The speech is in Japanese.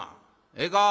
ええか？